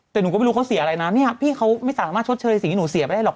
แต่หนูก็ไม่รู้เขาเสียอะไรนะเนี่ยพี่เขาไม่สามารถชดเชยสิ่งที่หนูเสียไปได้หรอก